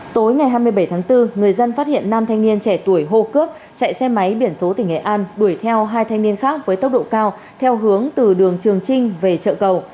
tối ngày hai mươi bảy tháng bốn người dân phát hiện năm thanh niên trẻ tuổi hô cướp chạy xe máy biển số tỉnh nghệ an đuổi theo hai thanh niên khác với tốc độ cao theo hướng từ đường trường trinh về chợ cầu